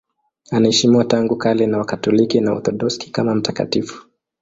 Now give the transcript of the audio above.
Anaheshimiwa tangu kale na Wakatoliki na Waorthodoksi kama mtakatifu.